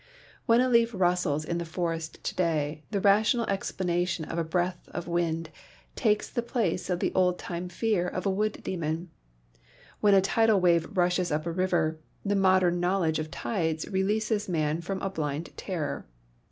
When a leaf rustles in the forest to day, the rational explanation of a breath of wind takes the place of the old time fear of a wood demon ; when a tidal wave rushes up a river, the modern knowledge of tides releases man from a blind terror.